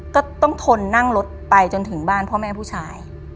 ก็ต้องทนนั่งรถไปจนถึงบ้านพ่อแม่ผู้ชาย